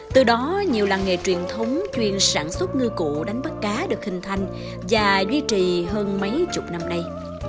từ đó nhiều làng nghề truyền thống chuyên sản xuất ngư cụ đánh bắt cá được hình thành và duy trì hơn mấy chục năm nay